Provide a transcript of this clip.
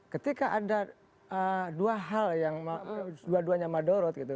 ketika ada dua hal yang dua duanya madorot gitu